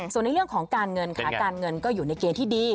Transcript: ส่วนในเรื่องของการเงินค่ะการเงินก็อยู่ในเกณฑ์ที่ดี